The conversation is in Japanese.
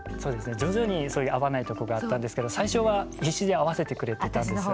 徐々にそういう合わないとこがあったんですけど最初は必死に合わせてくれてたんですよ。